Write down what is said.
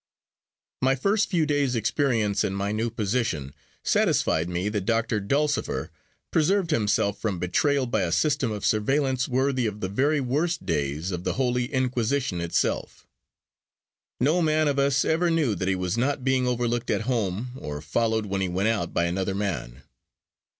MY first few days' experience in my new position satisfied me that Doctor Dulcifer preserved himself from betrayal by a system of surveillance worthy of the very worst days of the Holy Inquisition itself. No man of us ever knew that he was not being overlooked at home, or followed when he went out, by another man.